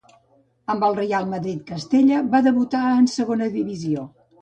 Amb el Reial Madrid Castella va debutar en Segona Divisió.